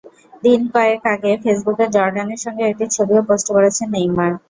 দিন কয়েক আগে ফেসবুকে জর্ডানের সঙ্গে একটা ছবিও পোস্ট করেছেন নেইমার।